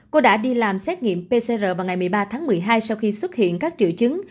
cô đã đi làm xét nghiệm pcr vào ngày một mươi ba tháng một mươi hai sau khi xuất hiện các triệu chứng